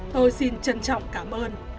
tôi xin trân trọng cảm ơn